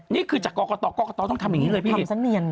นี่คือจากกรกตกรกตต้องทำอย่างนี้เลยพี่